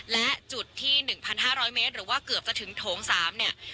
และจุดที่๑๕๐๐เมตรหรือว่าเกือบจะถึงโถง๓เนี่ย